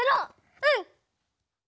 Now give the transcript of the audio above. うん！